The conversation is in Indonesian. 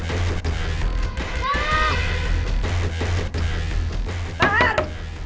keluar buka pintunya pak hart